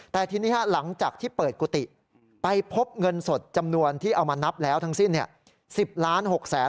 แต่ทีนี้หลังจากที่เปิดกุฏิไปพบเงินสดจำนวนที่เอามานับแล้วทั้งสิ้น๑๐ล้าน๖แสน